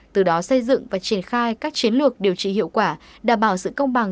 từ đó xây dựng và triển khai các chiến lược điều trị hiệu quả đảm bảo sự công bằng